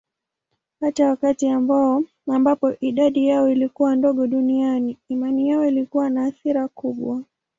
Hata wakati ambapo idadi yao ilikuwa ndogo duniani, imani yao ilikuwa na athira kubwa.